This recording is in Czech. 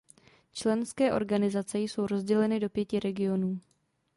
Členské organizace jsou rozděleny do pěti regionů.